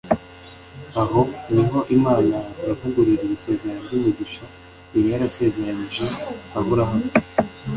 aho ni ho imana yavugururiye isezerano ry'umugisha yari yarasezeraniye aburahamu